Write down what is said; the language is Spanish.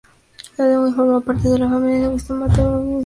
Su lengua formó parte de la familia lingüística mataco-guaicurú.